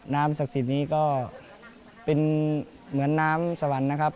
ศักดิ์สิทธิ์นี้ก็เป็นเหมือนน้ำสวรรค์นะครับ